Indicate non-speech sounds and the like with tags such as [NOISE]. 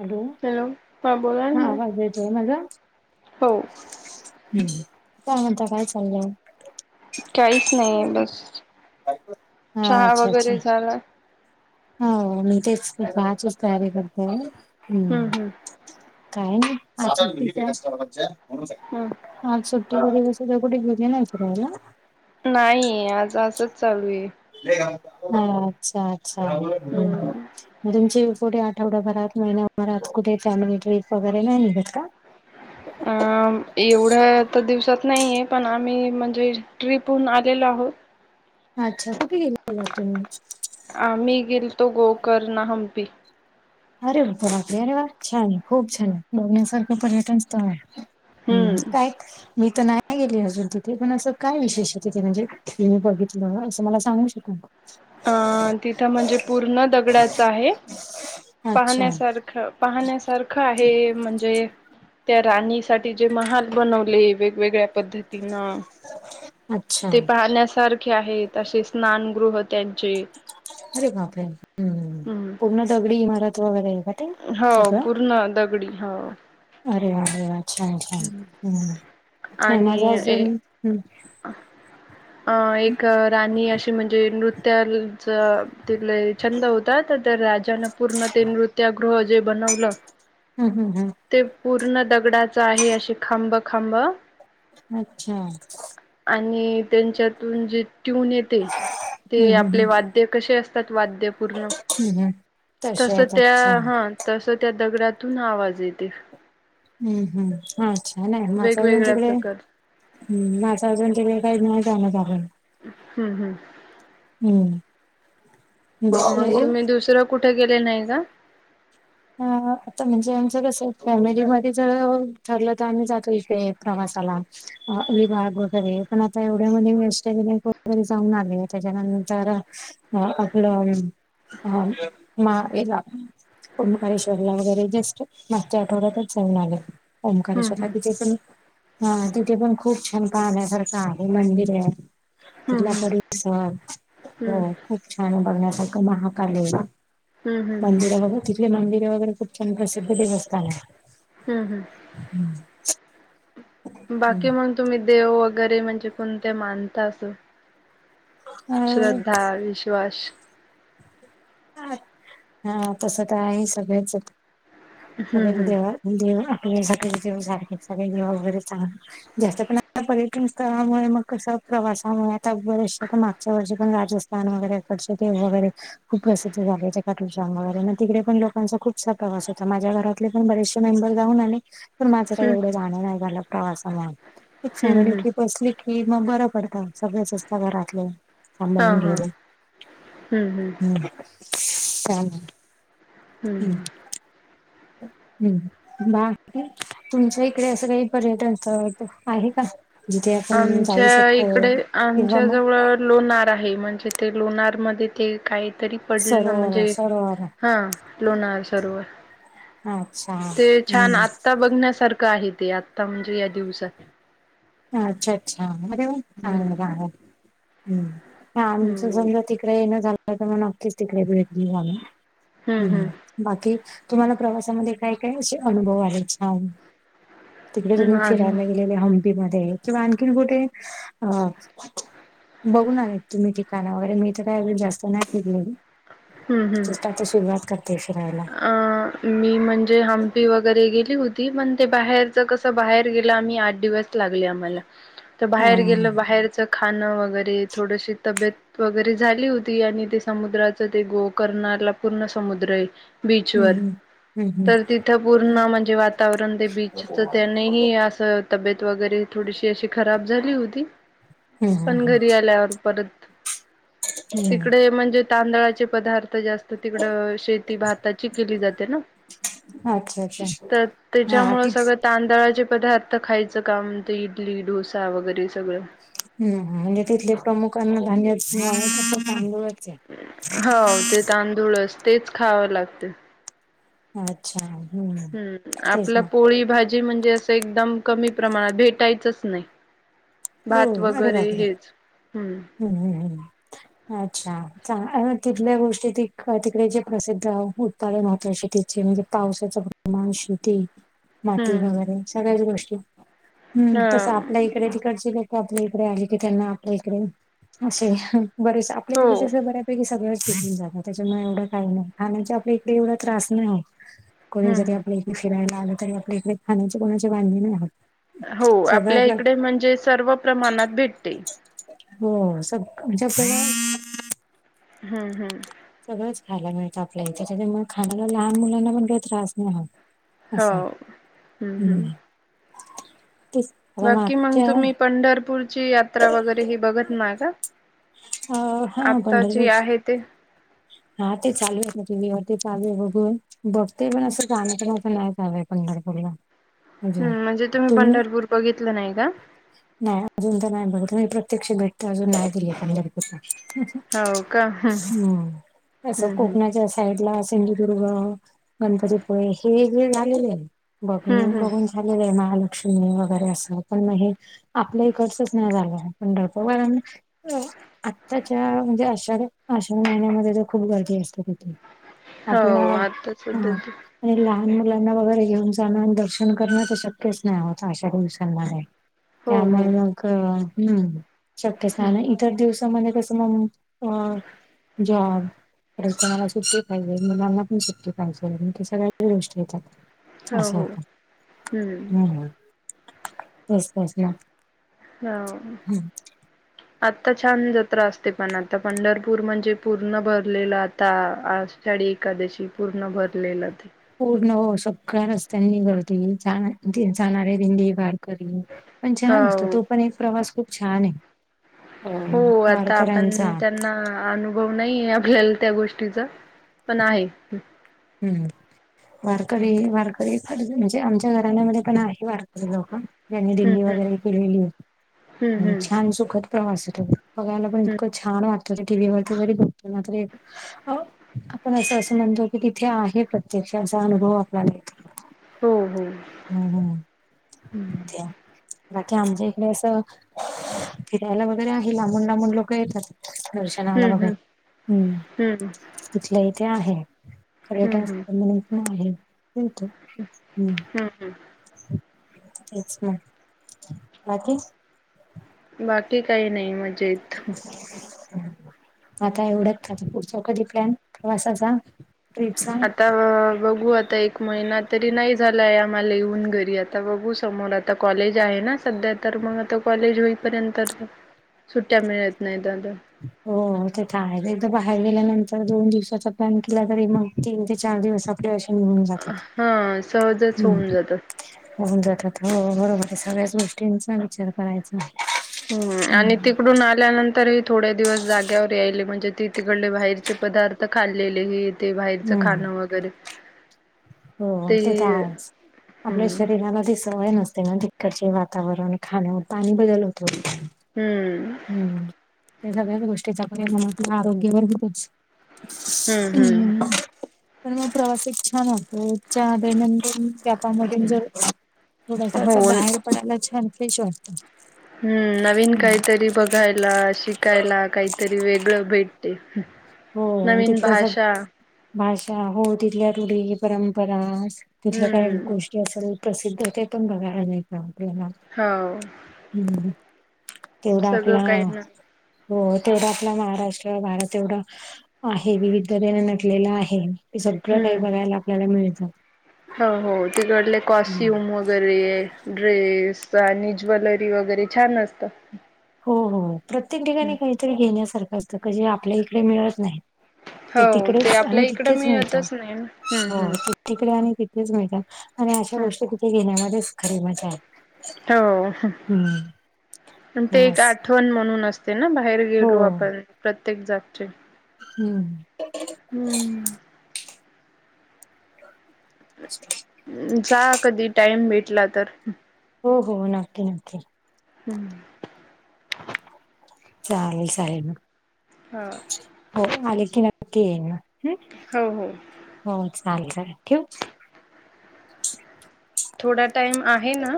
Hello हा बोला हा ना आवाज येतोय मला हो. हम्म काय म्हणता काय चाललंय? काहीच नाही बस हा चहा अच्छा अच्छा वगैरे झाला. हम्म हो तेच की आजच तयारी करते हम्म काय नाही. हम्म. आज सुट्टी मध्ये सुद्धा कुठे घेली नाही फीरायला? नाही आज असंच चालू आहे हा अच्छा अच्छा हम् हम्म. मग तुमची पुढे आठवड्याभरात, महिन्याभरात कुठे फॅमिली ट्रिप वगैरे नाही निघत का? अ एवढ तर दिवसात नाहीये पण आम्ही म्हणजे ट्रीपहून आलेलो आहोत. अच्छा कुठे गेले तुम्ही? आम्ही गेलतो गोकर्ण, हंपी अरे वा अरे वा छान खूप छान पर्यटन स्थळ आहे हम्म. काय हम्म मी तर नाही गेले अजून तिथे पण असं काय विशेष आहे. तिथे म्हणजे तुम्ही बघितलं असं मला सांगू शकाल [INAUDIBLE] अ तिथं म्हणजे पूर्ण दगडाच आहे अच्छा पाहण्यासारखं पाहण्यासारखं आहे म्हणजे त्या राणीसाठी जे महाल बनवले वेगवेगळ्या पद्धतीनं [INAUDIBLE] ते पाहण्यासारखे आहेत असे स्नानगृह त्यांचे अरे बापरे हम्म हम्म पूर्ण दगडी इमारत वगैरे आहे का ते हो सगळं पूर्ण दगडी हा अरे वा अरे वा छान छान हम्म नाही माझ आणि ए अजून अ एक राणी अशी म्हणजे नृत्याच तीला छंद होता तर राजाने पूर्ण ते नृत्यागृह जे बनवलं हम्म हम्म हं ते पूर्ण दगडाच आहे असे खांब खांब अच्छा आणि त्यांच्यातून जे ट्यून येतय ते हम्म आपले हम्म वाद्य कसे असतात वाद्य पूर्ण हम्म ह तस त्या हा तस त्या दगडातून आवाज येते. हम्म हम्म अच्छा नाही माझं अजून वेगवेगळ्या तिकडे प्रकारचे हम्म माझं अजून तिकडे काही नाही जाणं झालं. हम्म हम्म हम्म मग बघ, तुम्ही दुसरं कुठे गेले नाही का? हम्म ह आता म्हणजे आमचं कसं फॅमिलीमध्ये जर ठरलं तर आम्ही जातो इकडे प्रवासाला अ विभाग वगैरे पण आता एवढ्यामध्ये वेस्ठतरी जाऊन आले त्याच्यानंतर ह आपलं ह मा पंकारेश्वरला वगैरे जस्ट मागच्या आठवड्यातच जाऊन आले. हम्म ओंकारसाठी चे पण. हा तिथे पण खूप छान पाहण्यासारखं आहे मंदिर आहे. हम्म तला हम्म परि सर हम्म हो. खूप छान बघण्यासारखं महाकालेला हम्म हम्म हम्म मंदिर वगैरे. तिथले मंदिरे वगैरे खूप छान प्रसिद्ध देवस्थान आहे. हम् हम्. हम्म. बाकी मग तुम्ही देव वगैरे म्हणजे कोणते मानता अस. अ श्रद्धा विश्वास. हा तस तर आहे सगळेच हम्म सगळेच हम्म देवात. दे आपल्यासाठी देव सारखे सग देव वगैरे चांग. जास्त प पर्यटन स्थळामुळे मग कस प्रवासामुळे आता बऱ्याचा पणग. त्याच्या व पण राजस्थान वगैरेकडचे ते वगैरे. खूप प्रसिद्ध झाले त्या काटु वगरे मग तिकडे पण लोकांचा खूपसा प्रवास होता माझ्या घरात. तिकडे पण बरेचसे मेंबर जाऊन आले. माझं काय हम्म एवढे जाण नाही झालं प्रवासामुळे एक हम्म फॅमिली हम्म. ट्रीप असती कि मग बरं पडत सगळेच असतात घरातले हा सांभाळून हा घ्यायला हम्म हम्म हम्म चालेल हम्म हम्म बाकी तुमच्या इकडे असं काही पर्यटन स्थळत आहे का. जिथे आपण जाऊ आमच्या शकतो इकडे किंवा आमच्या मग जवळ. लोणार आहे म्हणजे ते लोणारमध्ये ते काहीतरी. पडलं सरोवर म्हणजे सरोवर हा लोणार सरोवर. अच्छा ते छान हम्म आत्ता बघण्यासारखं आहे ते आता म्हणजे या दिवसात. अच्छा अच्छा म हम्म चांगलं् हं, आमच समजा त. तिकडे येणं झालं तर मग नक्कीच तिकडे भेटली झालं हं, हम्. हं. बाकी तुम्हाला प्रवासामध्ये काय काय असे अनुभव आले छान. तिकडे तुम्ही नाही. फिरायला गेलेले हंपीमध्येध्ये किंवा आणखीन कुठे अ. बघून आलेत तुम्ही ठिकाणा वगैरे मी तर काय अ जास्त नाहीलेली. हं, हं. चचेष्टा तर सुरुवात करते फि रायला. अ, मी म्हणजे हंपी वगैरे गेली होती पण ते बाहेरच कसं बाहेर गेलं आम्ही आठ दिवस. लागले आम्हाला. [INAUDIBLE] तर बाहेर गेलं बाहेरचं खाणं वगैरे थोडशी तब्येत. वगैरे झाली होती आणि ते समुद्राच ते गो करणारला पूर्ण समुद्र आहे. बिचवर. हम्म तर तिथं पूर्ण म्हणजे वातावरण ते बीचच त्याने ह असं. तब्येत वगैरे. थोडीशी अशी खराब झाली होती हम्म पण घरी आल्यावर परत. हम्म तिकडे म्हणजे तांदळाचे पदार्थ जास्त तिकड शेती. जाते अच्छा अच्छा हा त्याच्या तिथ सळ. तांदळाचे पदार्थ खायचं का म्हणत इडली डोसा वगैरे सगळं. ह म्हणजे तिथले प्रमुखांना धान्यां. हो ते तांदूळच तेच खावं लागते. अच्छा हम्म. हम्म तेच आपला ना पोळी भाजी म्हणजे असं एकदम कमी प्रमाणात भेटायचंच नाही. हो भात अरे वगैरे बापरे हेच हम्म. हम्म हम् हम. अच्छा चां तिथल्या गोष्टी त तिकडे जे प्रसिद्ध. महत्वा शेतीचे म्हणजे पावसाचं प्रमाण शेती माती हम्म वगैरे सगळ्याच गोष्टी हम्म ह तसं आपल्या इकडे तिकड ते लोक आपल्या इकडे आली की. त्यांना आपल्या इकडे असे बरेच. आपल्यां हो इकडचे बऱ्यापैकी सगळेच सुटून जातात. त्याच्यामुळे एवढं काही नाही. खाण्याचे आपल्या इकडे एवढा त्रास नाही होत. कोणी जरी हम्म आपली फिरायला आलं तरी. आपल्या इकडे खाण्याची कोणाची वाधें नाही होत. हो. सगळ्या आपल्या प्र इकडे म्हणजे. सर्व प्रमाणात भेटते. हो. सग [UNINTELLIGIBLE] हम्म हम्म. सगळंच खायला मिळतं आपल्या इथे. त्याच्यामुळे खाण्याला लहान मुलांना पण काही त्रास नाही होत. हो असाय. हम्म हम्म ते. बाकी मग तुम्ही पंढरपूरची यात्रा. वगैरे ही बघत नाय का? अ हा आताजी पंढरपूर आहे ते. हा ते चालूये ना. टीव्ही वर ते चालूये बघूया. बघते पण. असं जाण्याच पण असं नाही हवं आहे पंढरपूरला. अजून हम्म. म्हणजे तुम्ही पंढरपूर बघितलं नाही का? नाही अजून त नाही. बघी प्रत्यक्ष भेट अजून नाही दिली पंढरपूरला. हो का हम्म. तस हम्म हम्म. कोकणाच्या साईड ला सिंधुदुर्ग, गणपतीपुळे हे जे झालेलेय बघ हम्म हम्म बघून. झालेलं आहे. महालक्ष्मी वगैरे असं पण मग हे. आपल्या इकडचच नाही झालं. पंढरपूर कारण आत्ताच्या. म्हणजे आषाढ. आषाढ महिन्यामध्ये तर खूप गर्दी असते तिथे. अपला. हो आता सध्या हम्म. ते आणि लहान मुलांना वगैरे घेऊन जाणं. दर्शन करणं. तर शक्यच नाही. आतां अशा दिवसांमध्ये. हो हो त्यामुळे मग. हम्म शक्यच हम्म. नाही ना. त दिवसामध्ये कसं मग जॉब. परत मला सुट्टी पाहिजे. मुलांना पण सुटी पाहिजे. सगळ्या गोष्टी येतात. हो असं हो होत. हम्म तेच त ना. हो. हम्म. आत्ता छान जत्रा असते पण. आता. आता पंढरपूर म्हणजे पूर्ण भरलेलं. आता आषाढी एखादशी पूर्ण भरलेलं ते. पूर्ण. हो सगळ्या रस्त्यां गर्दी. जा जाणारे दिंडी, गाड पण छान असतो. हो. तो पण एक प्रवास खूप छाने. हो. आता आपण त्यांना अनु भव नाहीये आपल्याला त्या गोष्टीचा. पण आहे. हम्म. वारकरी. वारकरी. म्हणजे आमच्या घराण्यामध्ये पण आहे. वारकरी लोकं. ज्यानी दिडीं हम्म वगैरे केलेलीये. हम्म हम्म छान सुखद प्रवासे तो. बघायला पण हम्म इतकं छान वाटत. ते टी व्ही वरती जरी बघतोना त आपण अस अस म्हणतो. हे तिथे आहे प्रत्यक्ष. असा अनुभव आपल्याला येतो. हो हो. हम्म हम्म. बाकी आमच्या इकडे अस फिरायला वगैरे आहे. लांबून लांबून लोक येतातृ दर्शनाला. हम्म हम्म, हम्म इथल्या इथ आहे. हम्म पर्यटन हम्म स्थळ म्हणून पण आहेत. हम्म. तेच म. बाकी. बाकी काही नाही मजेत. हम् [UNINTELLIGIBLE] आता एवढत पुढचा कधी प्लॅन. प्रवासाचा. ट्रीपचा. आता बघू. आता एक महिना तरी नाही झालाय. आम्हाला येऊन घरी. आता बघू समोर आता. आता कॉलेज आहे ना. सध्या तर मग आता कॉलेज होईपर्यंत. सुट्ट्या मिळत नाही. हो ते तर आहे. एकदा बाहेर गेल्यानंतर दोन दिवसाचा प्लॅन केला तरी, मग तीन ते चार दिवसात - पुरेशे होऊन जातात. हा सहजच होऊन हम्म. जातात होऊन जातात. हो बरोबर या सगळ्याच गोष्टींचा विचार करायचा. हम्म आणि तिकडून आल्यानंतरही- थोड्या दिवस जाग्यावर यायले. म्हणजे ते तिकडले बाहेरचे पदार्थ खाल्लेले हेत. ते बाहेरचं हम्म खाणं वगैरे. हो. ते तर आहेच. आपल्या हम्म शरीराला दिस- सवय नसते ना? तिकडचे वातावरण, खाणं, पाणी बदल होतो - हम्म. हम्. त्या सगळ्याच गोष्टीचा परिणाम आपल्या आरोग्यावर होतोच. हम्म. पण मग प्रवासात छान वाटतंय. [UNINTELLIGIBLE] जर थोडासा हो असा बाहेर. [UNINTELLIGIBLE] छान फ्रेश वाटतं. हम्म. नवीन काहीतरी बघायला, शिकायला काहीतरी वेगळं भेटते. हो. नवीन तिथल्या सग, भाषा भाषा हो तिथल्या रूढी, परंपरा- तिथल्या काय हम्म गोष्टी असेल प्रसिद्ध. ते पण बघायला मिळत आपल्याला. हो. हम्म. तेवढा सगळं काही आपला- ना हो. तेवढा आपला महाराष्ट्र भारत एवढा - आहे. विविधने नटलेलं आहे. ते सगळं काही हम्म बघायला आपल्याला मिळत. हो. हो तिकडले कॉसचूम वग- गैरे. ड्रेस आणि ज्वेलरी वगैरे छान असता. हो हो. प्रत्येक ठिकाणी काहीतरी घेण्यासारखं असतं. का जे आपल्या इकडे मिळत नाही. ते हो तिकडेच आपल्या आणि इकडं तिथेच मिळत. मिळतच नाही ना. हम्म हो हम्म. ते तिकडे आणि तिथेच मिळत. आणि अशा हम्म गोष्टी तिथे घेण्यामध्येच खरी मजा आहे. हम्म. पण ते एक अस आठवण म्हणून असतेना? बाहेर हो गेलो आपण प्रत्येक जागचे. हम. हम्म. [INAUDIBLE] जा कधी टाइम भेटला तर. हो हो. नक्की नक्की. हम. चालेल चालेल मग. हा. हो. आले की नक्की येईन ह. हो हो. हो चालतय. ठेवू? थोडा टाइम आहे ना?